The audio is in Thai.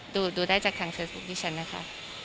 ดูได้จากทางเฟซบุ๊คดิฉันนะคะ